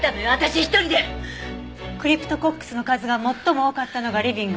クリプトコックスの数が最も多かったのがリビング。